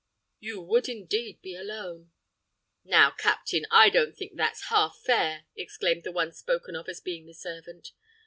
You would indeed be alone!" "Now, captain, I don't think that's half fair," exclaimed the one spoken of as being the servant.